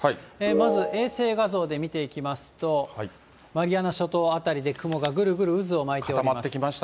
まず、衛星画像で見ていきますと、マリアナ諸島辺りで雲がぐるぐる渦を巻いております。